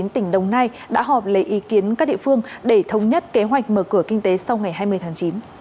tỉnh đồng nai đã họp lấy ý kiến các địa phương để thống nhất kế hoạch mở cửa kinh tế sau ngày hai mươi tháng chín